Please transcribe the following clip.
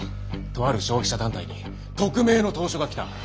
とある消費者団体に匿名の投書が来た。